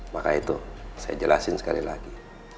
maka itu saya jelasin sekali lagi